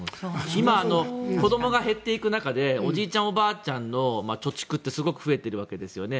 今、子どもが減っていく中でおじいちゃん、おばあちゃんの貯蓄ってすごく増えているわけですよね。